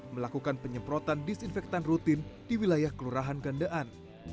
melakukan penyemprotan disinfektan rutin di wilayah kelurahan gandean